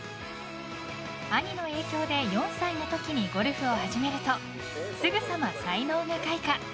兄の影響で４歳の時にゴルフを始めるとすぐさま才能が開花！